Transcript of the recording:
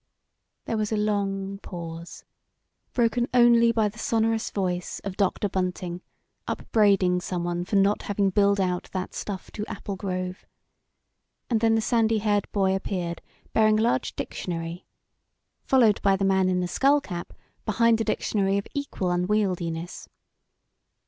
There was a long pause, broken only by the sonorous voice of Dr. Bunting upbraiding someone for not having billed out that stuff to Apple Grove, and then the sandy haired boy appeared bearing a large dictionary, followed by the man in the skull cap behind a dictionary of equal unwieldiness.